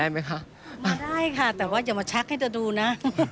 ไม่ได้ค่ะแต่ว่าอย่ามาชักให้เธอดูนะ